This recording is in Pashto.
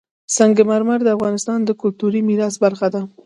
سنگ مرمر د افغانستان د کلتوري میراث برخه ده.